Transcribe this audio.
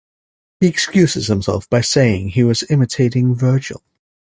He excuses himself by saying he was imitating Virgil.